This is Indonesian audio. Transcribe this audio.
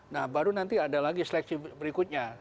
nah baru nanti ada lagi seleksi berikutnya